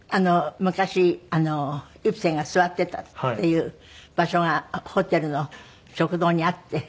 昔イプセンが座っていたっていう場所がホテルの食堂にあって。